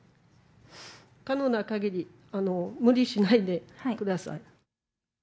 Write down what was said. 可能なかぎり、無理しないでください。